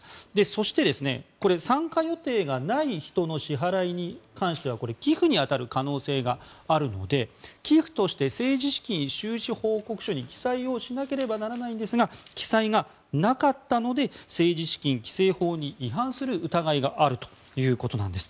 そして、参加予定がない人の支払いに関しては寄付に当たる可能性があるので寄付として政治資金収支報告書に記載をしなければならないんですが記載がなかったので政治資金規正法に違反する疑いがあるということなんです。